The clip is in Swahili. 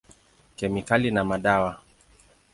Kemikali na madawa.